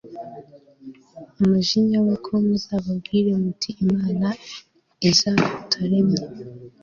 umujinya we k muzababwire muti imana l zitaremye